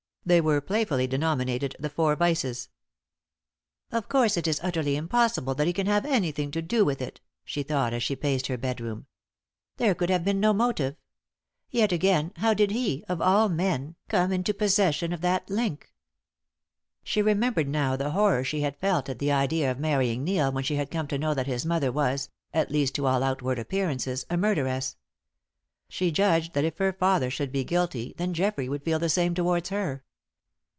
They were playfully denominated the four vices. "Of course it is utterly impossible that he can have anything to do with it," she thought as she paced her bedroom. "There could have been no motive. Yet again, how did he, of all men, come into possession of that link?" She remembered now the horror she had felt at the idea of marrying Neil when she had come to know that his mother was at least to all outward appearances a murderess. She judged that if her father should be guilty then Geoffrey would feel the same towards her.